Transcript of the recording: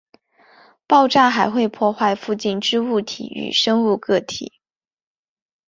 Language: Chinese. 爆炸还会破坏附近之物体与生物个体。